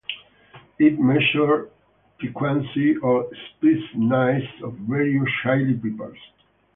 It measured piquancy, or "spiciness", of various chili peppers.